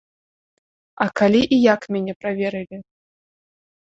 А калі і як мяне праверылі?